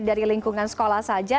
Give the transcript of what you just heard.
dari lingkungan sekolah saja